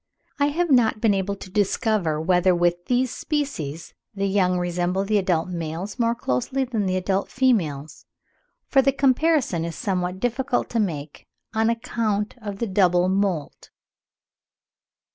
I have not been able to discover whether with these species the young resemble the adult males more closely than the adult females; for the comparison is somewhat difficult to make on account of the double moult.